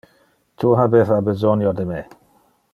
Tu habeva besonio de me.